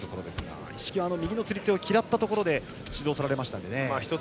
一色は右の釣り手を嫌って指導を取られましたので。